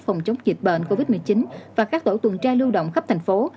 phòng chống dịch bệnh covid một mươi chín và các tổ tuần tra lưu động khắp thành phố